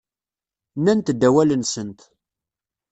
Nnant-d awal-nsent.